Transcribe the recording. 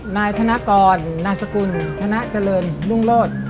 นายธนกรนาศกุลธนาจรรย์ลุงโลศ